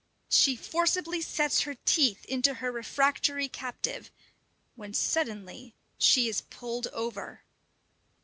She forcibly sets her teeth into her refractory captive, when suddenly she is pulled over.